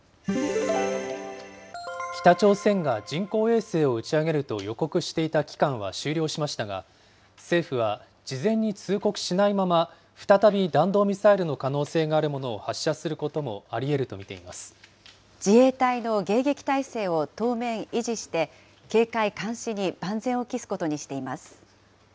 北朝鮮が人工衛星を打ち上げると予告していた期間は終了しましたが、政府は事前に通告しないまま、再び弾道ミサイルの可能性があるものを発射することもありえると自衛隊の迎撃態勢を当面維持して、警戒監視に万全を期すことにしています。